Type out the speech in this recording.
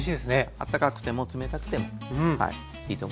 あったかくても冷たくてもはいいいと思います。